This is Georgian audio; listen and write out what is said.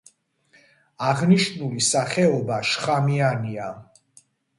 აღნიშნული სახეობა შხამიანია.